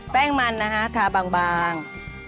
แป้งมันนะฮะทาบาง